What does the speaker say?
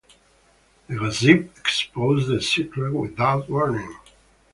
The gossip exposes the secret without warning.